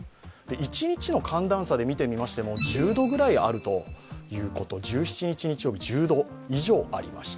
一日の寒暖差で見てみましても、１０度ぐらいあると、１７日は１０度以上ありました。